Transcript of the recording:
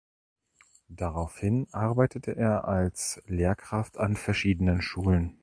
Daraufhin arbeitete er als Lehrkraft an verschiedenen Schulen.